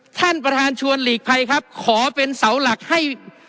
ท่านประธานชวนหลีกภัยครับขอเป็นเสาหลักให้